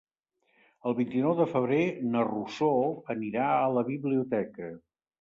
El vint-i-nou de febrer na Rosó anirà a la biblioteca.